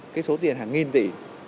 cái số tiền hàng nghìn tỷ